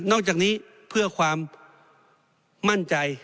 อกจากนี้เพื่อความมั่นใจ